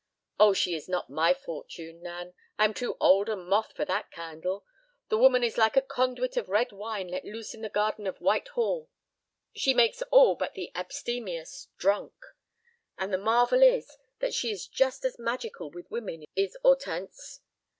"Oh, she is not my fortune, Nan! I am too old a moth for that candle. The woman is like a conduit of red wine let loose in the garden of White Hall. She makes all but the abstemious—drunk. And the marvel is that she is just as magical with women, is Hortense.